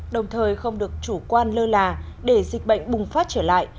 đồng thời không được chủ quan lơ là để dịch bệnh bùng phát trở lại